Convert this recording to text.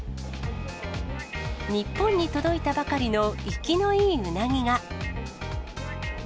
日本に届いたばかりの生きのいいうなぎが。